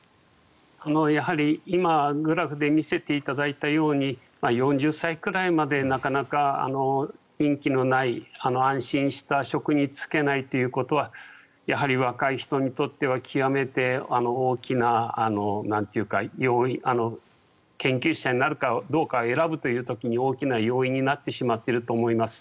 やはり今、グラフで見せていただいたように４０歳くらいまでなかなか任期のない安心した職に就けないということはやはり若い人にとっては極めて大きな研究者になるかどうかを選ぶという時に大きな要因になってしまっていると思います。